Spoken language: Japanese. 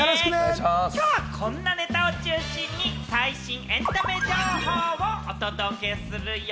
きょうはこんなネタを中心に最新エンタメ情報をお届けするよ。